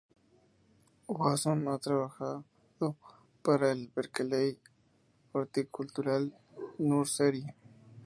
Wasson ha trabajado para el Berkeley Horticultural Nursery.